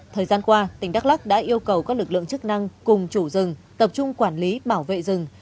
thời gian qua tỉnh đắk lắc đã yêu cầu các lực lượng chức năng cùng chủ rừng tập trung quản lý bảo vệ rừng